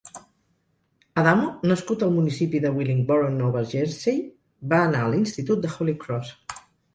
Adamo, nascut al municipi de Willingboro, Nova Jersey, va anar a l'institut de Holy Cross.